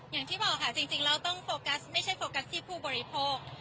อย่างที่บอกค่ะจริงเราต้องโฟกัสไม่ใช่โฟกัสที่ผู้บริโภค